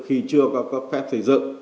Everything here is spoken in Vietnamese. khi chưa có cấp phép xây dựng